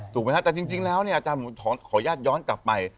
แต่จริงแล้วเนี่ยอาจารย์ผมขออนุญาตย้อนกลับไป